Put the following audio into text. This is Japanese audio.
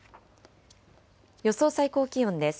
予想最高気温です。